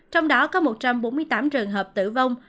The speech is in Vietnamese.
trong đó có một trăm bốn mươi tám trường hợp tử vong